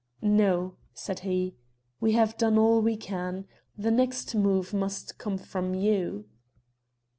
"No," said he. "We have done all we can. The next move must come from you."